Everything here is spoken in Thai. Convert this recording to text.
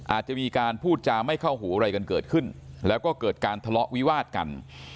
อาจจะมีการพูดจาไม่เข้าหูอะไรกันเกิดขึ้นแล้วก็เกิดการทะเลาะวิวาดกัน